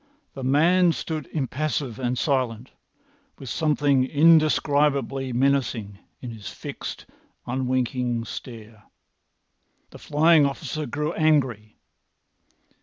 The man stood impassive and silent, with something indescribably menacing in his fixed, unwinking stare. The flying officer grew angry.